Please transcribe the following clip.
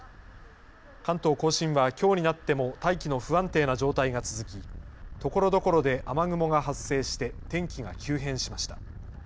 関東甲信は、きょうになっても大気の不安定な状態が続きところどころで雨雲が発生して天気が急変しました。